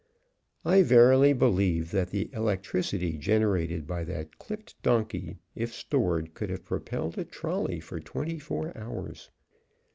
I verily believe that the electricity generated by that clipped donkey, if stored, could have propelled a trolley for twenty four hours.